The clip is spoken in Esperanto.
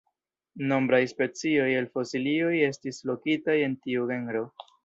Nombraj specioj el fosilioj estis lokitaj en tiu genro.